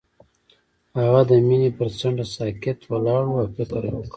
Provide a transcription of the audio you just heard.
هغه د مینه پر څنډه ساکت ولاړ او فکر وکړ.